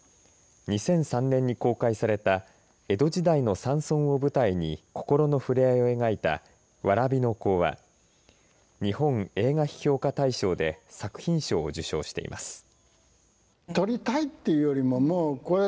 ２００３年に公開された江戸時代の山村を舞台に心の触れ合いを描いたわらびのこう蕨野行は日本映画批評家大賞で作品賞を受賞しています。